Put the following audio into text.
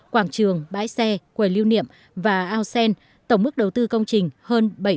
quảng trường bãi xe quầy lưu niệm và ao sen tổng mức đầu tư công trình hơn bảy tỷ đồng